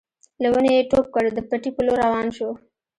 له ونې يې ټوپ کړ د پټي په لور روان شو.